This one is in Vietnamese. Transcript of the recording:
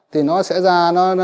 thì nó sẽ ra nó gặp mẹ nó và con nó